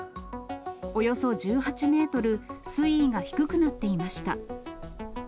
およそ１８メートル、水位が低くなっていました。